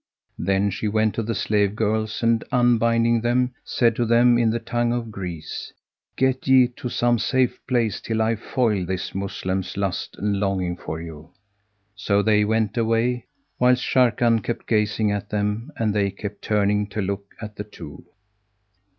Then she went to the slave girls and, unbinding them, said to them in the tongue of Greece, "Get ye to some safe place, till I foil this Moslem's lust and longing for you." So they went away, whilst Sharrkan kept gazing at them; and they kept turning to look at the two.